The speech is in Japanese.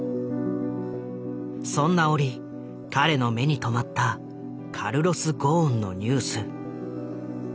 そんな折彼の目に留まったカルロス・ゴーンのニュース。